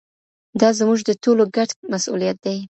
دا زموږ د ټولو ګډ مسووليت دی.